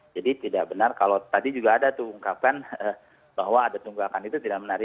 jadi tidak benar kalau tadi juga ada diungkapkan bahwa ada tunggakan itu tidak menarik